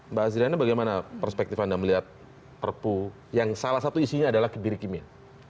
mbak azriana bagaimana perspektif anda melihat perpu yang salah satu isinya adalah kebiri kimia